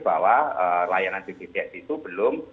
bahwa layanan bpjs itu belum